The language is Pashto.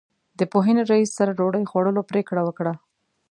د پوهنې رئیس سره ډوډۍ خوړلو پرېکړه وکړه.